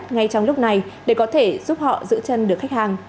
đây là giải pháp hữu hiệu nhất ngay trong lúc này để có thể giúp họ giữ chân được khách hàng